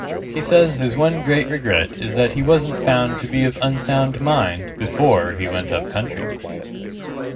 He says his one great regret is that he wasn't found to be of unsound mind before he went up country.